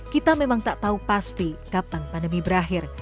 kita memang tak tahu pasti kapan pandemi berakhir